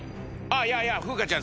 いやいや風花ちゃん。